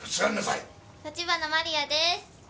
立花マリアです。